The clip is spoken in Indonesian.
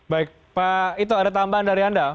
baik pak ito ada tambahan dari anda